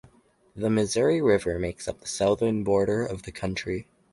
The Missouri River makes up the southern border of the county.